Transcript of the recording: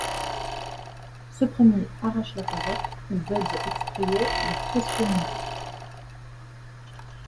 Ce premier arrache la carotte où Bugs extrayait le précieux minerai.